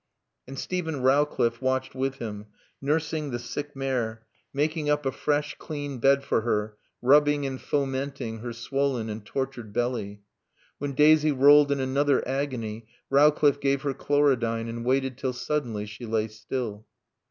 And Steven Rowcliffe watched with him, nursing the sick mare, making up a fresh, clean bed for her, rubbing and fomenting her swollen and tortured belly. When Daisy rolled in another agony, Rowcliffe gave her chlorodyne and waited till suddenly she lay still.